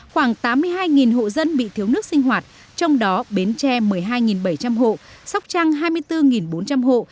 khoảng tám mươi hai hộ dân bị thiếu nước sinh hoạt trong đó bến tre một mươi hai bảy trăm linh hộ sóc trăng hai mươi bốn bốn trăm linh hộ